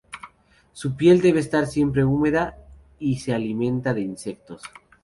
Su piel debe estar siempre húmeda y se alimenta de insectos.